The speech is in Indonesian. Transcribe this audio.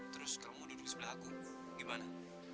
terus kamu duduk di sebelah aku gimana